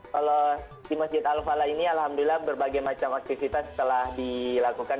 kalau di masjid al falah ini alhamdulillah berbagai macam aktivitas telah dilakukan